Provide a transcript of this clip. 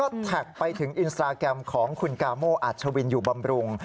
แล้วก็จัดไปถึงอินสตาแกรมของขุนกาโมอัรธวินอยู่บำรุง